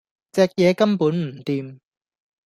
隻嘢根本唔掂